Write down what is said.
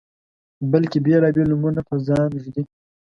بلکې بیلابیل نومونه په ځان ږدي